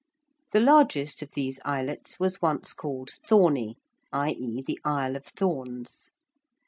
The largest of these islets was once called Thorney, i.e. the Isle of Thorns.